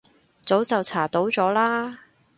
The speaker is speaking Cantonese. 早就查到咗啦